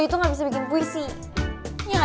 jadi gue ikutan juga